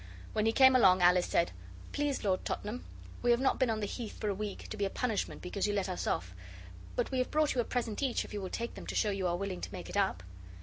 When he came along Alice said, 'Please, Lord Tottenham, we have not been on the Heath for a week, to be a punishment because you let us off. And we have brought you a present each if you will take them to show you are willing to make it up.